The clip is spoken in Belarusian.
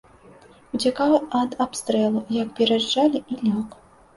Уцякаў ад абстрэлу, як пераязджалі, і лёг.